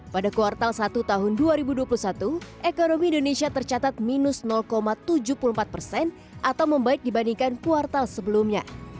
pada kuartal satu tahun dua ribu dua puluh satu ekonomi indonesia tercatat minus tujuh puluh empat persen atau membaik dibandingkan kuartal sebelumnya